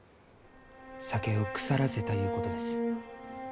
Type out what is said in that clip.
酒を腐らせたゆうことです。